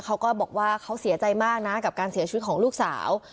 เขาก็บอกว่าเขาเสียใจมากนะกับการเสียชีวิตของลูกสาว